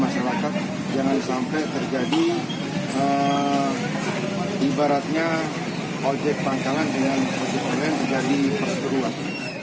masyarakat jangan sampai terjadi ibaratnya ojek pangkalan dengan ojek online menjadi perseruan